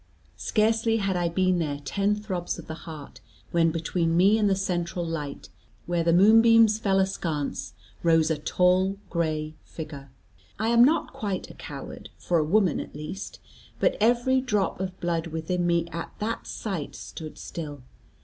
Scarcely had I been there ten throbs of the heart, when between me and the central light, where the moonbeams fell askance, rose a tall gray figure. I am not quite a coward, for a woman at least, but every drop of blood within me at that sight stood still.